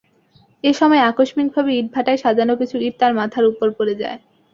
এ সময় আকস্মিকভাবে ইটভাটায় সাজানো কিছু ইট তাঁর মাথার ওপর পড়ে যায়।